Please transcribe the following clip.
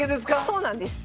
そうなんです。